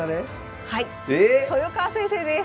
はい豊川先生です。